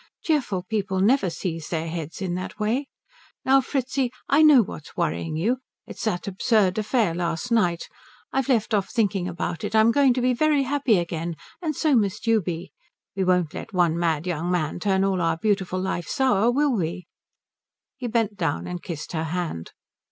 Cheerful people never seize their heads in that way. Now Fritzi I know what's worrying you it's that absurd affair last night. I've left off thinking about it. I'm going to be very happy again, and so must you be. We won't let one mad young man turn all our beautiful life sour, will we?" He bent down and kissed her hand.